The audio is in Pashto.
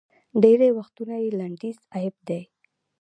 ډېری وختونه یې لنډیز اېب دی